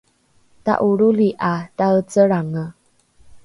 ta’olroli ’a taecelrange